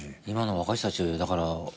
今の若い人たちだから。